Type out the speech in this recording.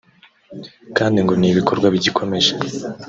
kandi ngo ni ibikorwa bigikomeje